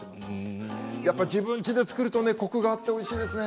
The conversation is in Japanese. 自分んち造るとコクがあっていいですね。